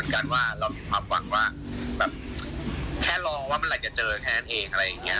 ความหวังว่าแบบแค่รอว่ามันไหล่จะเจอแค่นั้นเองอะไรอย่างเงี้ย